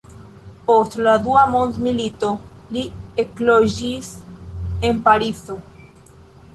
Post la dua mondmilito li ekloĝis en Parizo.